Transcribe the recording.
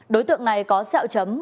đối tượng này có sẹo chấm